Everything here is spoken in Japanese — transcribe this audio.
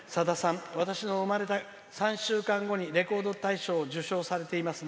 私の生まれた３週間後にレコード大賞を受賞されていますね。